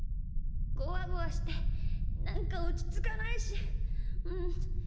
ゴワゴワしてなんかおちつかないしちょっといたい。